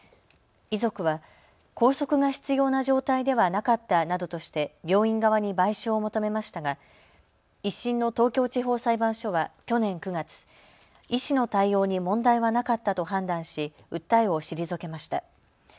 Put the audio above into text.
遺族は拘束が必要な状態ではなかったなどとして病院側に賠償を求めましたが１審の東京地方裁判所は去年９月、医師の対応に問題はなかったと判断し訴えを退けました。